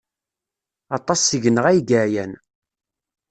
Aṭas seg-neɣ ay yeɛyan.